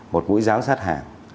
một mũi giám sát hàng